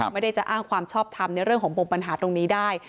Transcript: ไม่ได้จะอ้างความชอบทำในเรื่องของปมปัญหาตรงนี้ได้